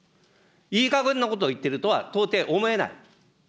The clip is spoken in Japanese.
いいかげんなことを言ってるとは、到底思えない。